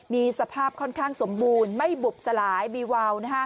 มีสภาพค่อนข้างสมบูรณ์ไม่บุบสลายบีวาว